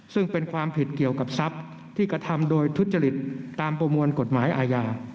ซึ่งเป็นความผิดเกี่ยวกับทรัพย์ที่กระทำโดยทุจริตตามประมวลกฎหมายอาญา